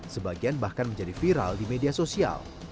sebagian bahkan menjadi viral di media sosial